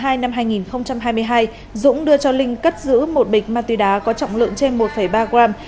vào trưa ngày một mươi năm tháng hai năm hai nghìn hai mươi hai dũng đưa cho linh cất giữ một bịch ma túy đá có trọng lượng trên một ba gram